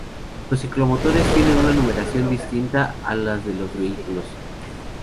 Los ciclomotores tienen una numeración distinta a la de los vehículos.